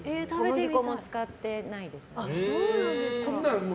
小麦粉も使ってないです。